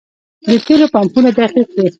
د تیلو پمپونه دقیق دي؟